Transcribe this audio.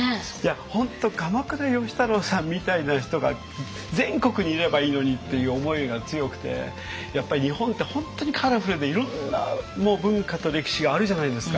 本当鎌倉芳太郎さんみたいな人が全国にいればいいのにっていう思いが強くてやっぱり日本って本当にカラフルでいろんな文化と歴史があるじゃないですか。